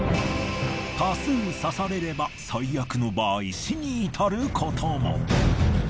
多数刺されれば最悪の場合死に至ることも。